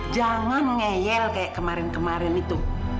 jangan ngeyel kayak kemarin kemarin itu